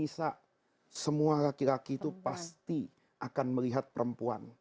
bisa semua laki laki itu pasti akan melihat perempuan